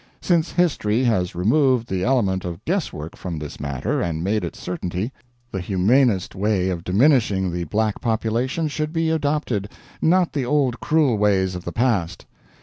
Since history has removed the element of guesswork from this matter and made it certainty, the humanest way of diminishing the black population should be adopted, not the old cruel ways of the past.